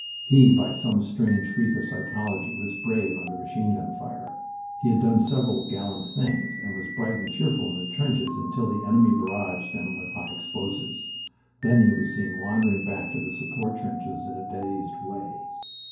He, by some strange freak of psychology, was brave under machine gun fire. He had done several gallant things, and was bright and cheerful in the trenches until the enemy barraged them with high explosive. Then he was seen wandering back to the support trenches in a dazed way.